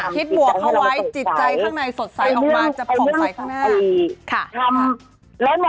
คิดบวกเขาไว้จิตใจข้างในสดใสออกมาจะพบไว้ข้างหน้า